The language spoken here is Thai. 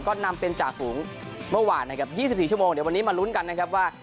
ก็นำเป็นจ่าฝูงเมื่อวานนะครับ๒๔ชั่วโมงเดี๋ยววันนี้มาลุ้นกันนะครับว่า